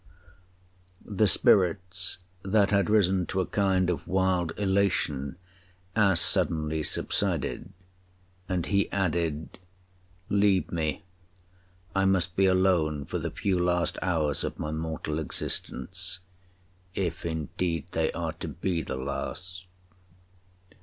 The spirits, that had risen to a kind of wild elation, as suddenly subsided, and he added, 'Leave me, I must be alone for the few last hours of my mortal existence—if indeed they are to be the last.'